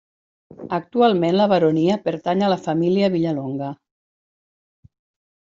Actualment la baronia pertany a la família Vilallonga.